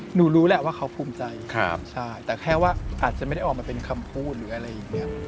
หนูรู้แหละว่าเขาภูมิใจใช่แต่แค่ว่าอาจจะไม่ได้ออกมาเป็นคำพูดหรืออะไรอย่างนี้